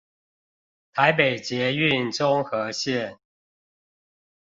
台北捷運中和線